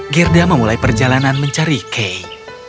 girda memulai perjalanan mencari kay